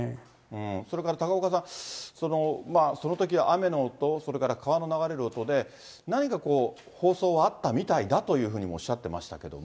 それから高岡さん、そのときは雨の音、それから川の流れる音で、何かこう、放送はあったみたいだというふうにもおっしゃってましたけども。